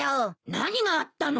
何があったのよ。